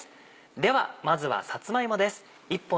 ではまずはさつま芋です。